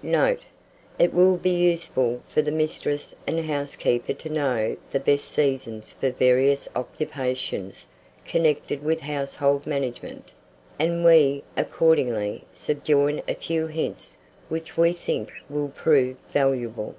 Note. It will be useful for the mistress and housekeeper to know the best seasons for various occupations connected with Household Management; and we, accordingly, subjoin a few hints which we think will prove valuable.